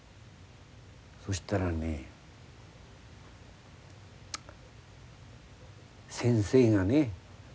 そしたらね先生がね